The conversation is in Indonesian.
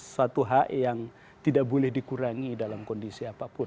suatu hak yang tidak boleh dikurangi dalam kondisi apapun